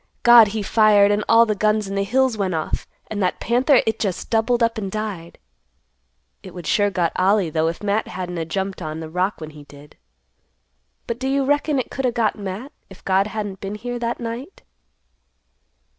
God, he fired and all the guns in the hills went off, and that panther it just doubled up and died. It would sure got Ollie, though, if Matt hadn't a jumped on the rock when he did. But do you reckon it could o' got Matt, if God hadn't been here that night?"